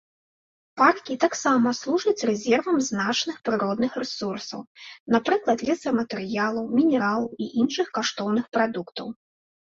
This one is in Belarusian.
Паркі таксама служаць рэзервам значных прыродных рэсурсаў, напрыклад лесаматэрыялаў, мінералаў і іншых каштоўных прадуктаў.